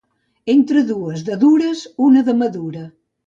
Entre dues de dures, una de madura.